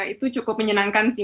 itu cukup menyenangkan sih